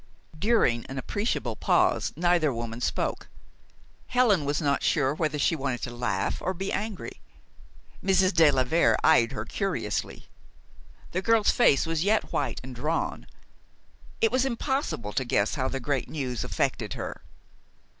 During an appreciable pause neither woman spoke. Helen was not sure whether she wanted to laugh or be angry. Mrs. de la Vere eyed her curiously. The girl's face was yet white and drawn. It was impossible to guess how the great news affected her.